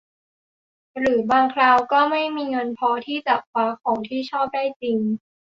หรือบางคราวก็ไม่มีเงินพอที่จะคว้าของที่ชอบได้จริง